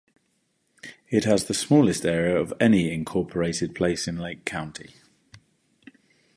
It has the smallest area of any incorporated place in Lake County.